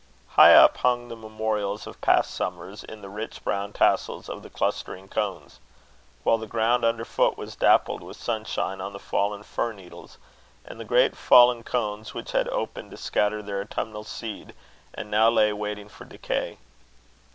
High up, hung the memorials of past summers in the rich brown tassels of the clustering cones; while the ground under foot was dappled with sunshine on the fallen fir needles, and the great fallen cones which had opened to scatter their autumnal seed, and now lay waiting for decay.